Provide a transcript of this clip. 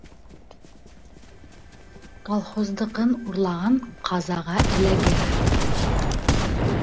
Колхоздыҡын урлаған ҡазаға эләгер